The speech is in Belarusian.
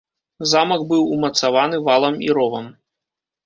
Замак быў умацаваны валам і ровам.